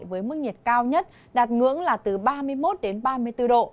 với mức nhiệt cao nhất đạt ngưỡng là từ ba mươi một đến ba mươi bốn độ